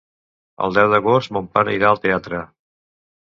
El deu d'agost mon pare irà al teatre.